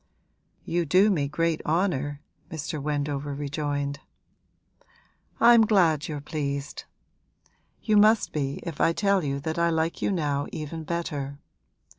'You do me great honour,' Mr. Wendover rejoined. 'I'm glad you're pleased! You must be if I tell you that I like you now even better.